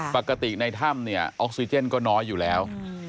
ปกติในถ้ำเนี่ยออกซิเจนก็น้อยอยู่แล้ว